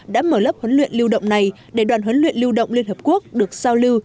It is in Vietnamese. đã mở lớp huấn luyện lưu động này để đoàn huấn luyện lưu động liên hợp quốc được giao lưu